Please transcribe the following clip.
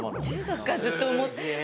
中学からずっと思って。